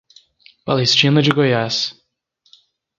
Palestina de Goiás